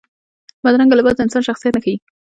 بدرنګه لباس د انسان شخصیت نه ښيي